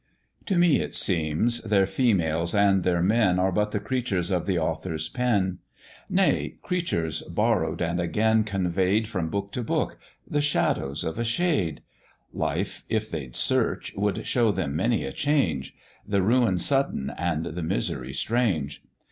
To me, it seems, their females and their men Are but the creatures of the author's pen; Nay, creatures borrow'd and again convey'd From book to book the shadows of a shade: Life, if they'd search, would show them many a change; The ruin sudden, and the misery strange!